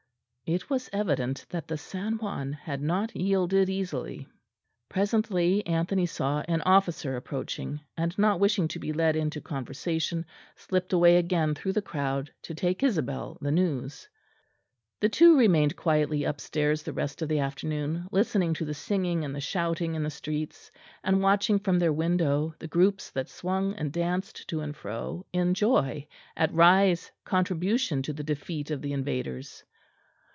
It was evident that the San Juan had not yielded easily. Presently Anthony saw an officer approaching, and not wishing to be led into conversation slipped away again through the crowd to take Isabel the news. The two remained quietly upstairs the rest of the afternoon, listening to the singing and the shouting in the streets, and watching from their window the groups that swung and danced to and fro in joy at Rye's contribution to the defeat of the invaders.